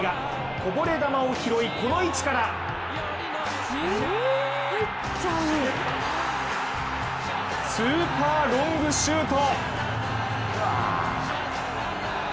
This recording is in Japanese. こぼれ球を拾い、この位置からスーパーロングシュート！